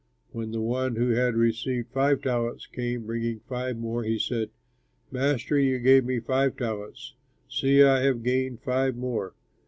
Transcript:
When the one who had received five talents came bringing five more, he said, 'Master, you gave me five talents. See, I have gained five more.'